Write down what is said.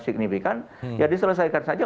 signifikan ya diselesaikan saja